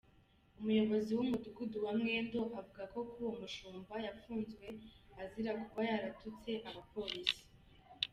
Umuyobozi w’umudugudu wa Mwendo avuga ko uwo mushumba yafunzwe azira kuba yaratutse abapolisi.